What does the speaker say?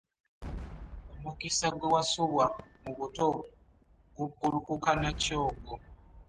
Omukisa gwe wasubwa mu buto gubbulukuka na kyogo.